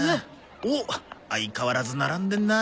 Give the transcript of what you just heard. おっ相変わらず並んでるな。